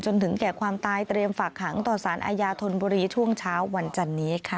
ถึงแก่ความตายเตรียมฝากขังต่อสารอาญาธนบุรีช่วงเช้าวันจันนี้ค่ะ